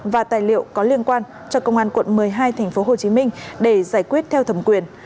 và tài liệu có liên quan cho công an quận một mươi hai tp hcm để giải quyết theo thẩm quyền